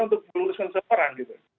untuk meluluskan seorang